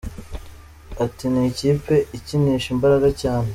Ati “Ni ikipe ikinisha imbaraga cyane.